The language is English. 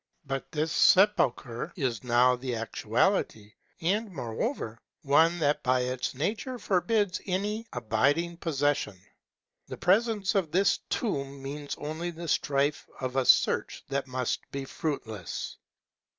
But this sepulchre is now the actuality, and, moreover, one that by its nature forbids any abiding possession; and the presence of this tomb means only the strife of a search that must be fruitless.